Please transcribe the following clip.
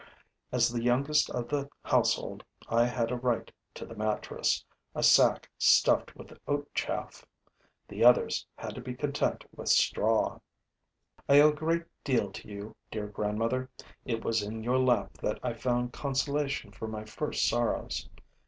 As the youngest of the household, I had a right to the mattress, a sack stuffed with oat chaff. The others had to be content with straw. I owe a great deal to you, dear grandmother: it was in your lap that I found consolation for my first sorrows.